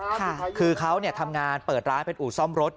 ค่ะคือเขาเนี่ยทำงานเปิดร้านเป็นอู่ซ่อมรถ